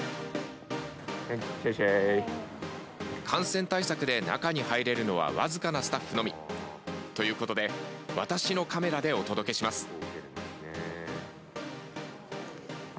感染対策で中に入れるのは僅かなスタッフのみ。ということで私のカメラでお届けします。